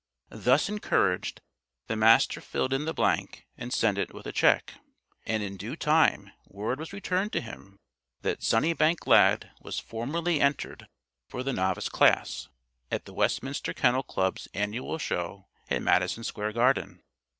Thus encouraged, the Master filled in the blank and sent it with a check. And in due time word was returned to him that "Sunnybank Lad" was formally entered for the Novice class, at the Westminster Kennel Club's annual show at Madison Square Garden.